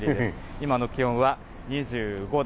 今の気温は２５度。